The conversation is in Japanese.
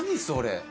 それ。